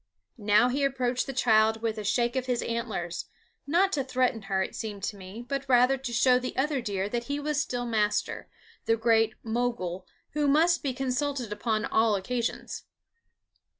Now he approached the child with a shake of his antlers, not to threaten her, it seemed to me, but rather to show the other deer that he was still master, the Great Mogul who must be consulted upon all occasions.